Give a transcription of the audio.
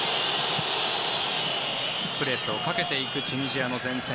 プレスをかけていくチュニジアの前線。